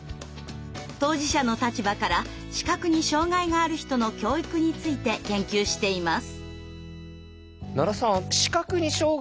当事者の立場から視覚に障害がある人の教育について研究しています。